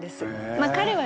まあ彼はね